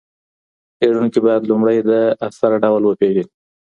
څېړونکي باید لومړی د اثر ډول وپېژني.